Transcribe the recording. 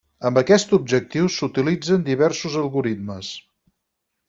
Amb aquest objectiu, s'utilitzen diversos algoritmes.